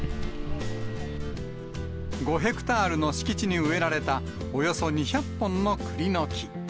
５ヘクタールの敷地に植えられた、およそ２００本のくりの木。